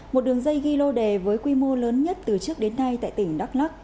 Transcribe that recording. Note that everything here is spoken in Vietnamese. một đường dây ghi lô đề với quy mô lớn nhất từ trước đến nay tại tỉnh đắk lắc